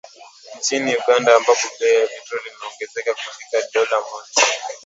Nchini Uganda ambapo bei ya petroli imeongezeka kufikia dola moja